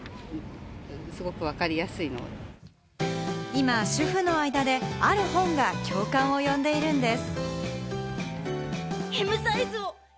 今、主婦の間である本が共感を呼んでいるんです。